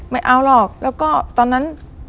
ไม่เอาหรอกแล้วก็ตอนนั้น